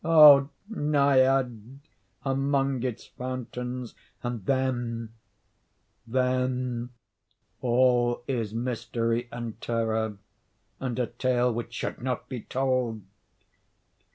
Oh, Naiad among its fountains! And then—then all is mystery and terror, and a tale which should not be told.